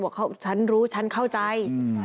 บอกว่าฉันรู้ฉันเข้าใจ